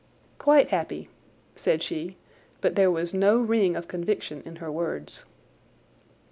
"Quite happy," said she, but there was no ring of conviction in her words.